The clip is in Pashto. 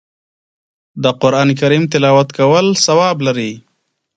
د قرآن کریم تلاوت کول ثواب لري